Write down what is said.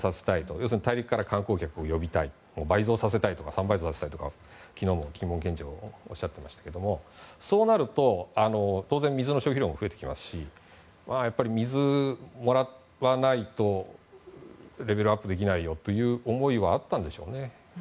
要するに大陸から観光客を呼びたい倍増とか３倍増させたいとか昨日も金門県長おっしゃってましたけどそうなると、当然水の消費量が増えてきますしやっぱり水をもらわないとレベルアップできないよという思いはあったんでしょうね。